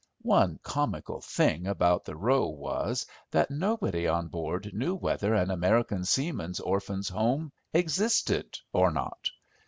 One comical thing about the row was, that nobody on board knew whether an American Seamen's Orphans' Home existed or not.